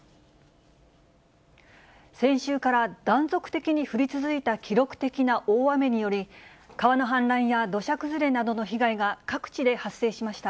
先週から断続的に降り続いた記録的な大雨により、川の氾濫や土砂崩れなどの被害が各地で発生しました。